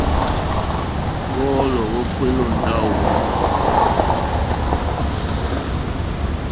Wɔ́ɔ́lɔ̀ wókpéélì ó ndáwò.